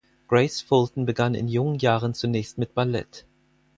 Grace Fulton begann in jungen Jahren zunächst mit Ballett.